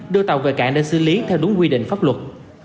đưa tàu về cảng để xử lý theo đúng quy định pháp luật